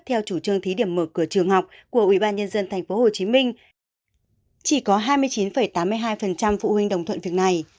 theo chủ trương thí điểm mở cửa trường học của ubnd tp hcm chỉ có hai mươi chín tám mươi hai phụ huynh đồng thuận việc này